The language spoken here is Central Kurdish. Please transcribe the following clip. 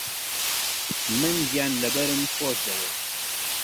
من گیانلەبەرم خۆش دەوێت.